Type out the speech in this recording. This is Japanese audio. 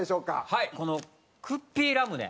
はいこのクッピーラムネ。